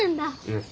うん。